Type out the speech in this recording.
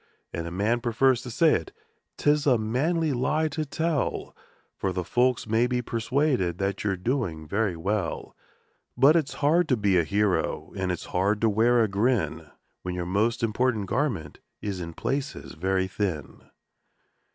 And a man prefers to say it 'tis a manly lie to tell, For the folks may be persuaded that you're doing very well ; But it's hard to be a hero, and it's hard to wear a grin, When your most important garment is in places very thin.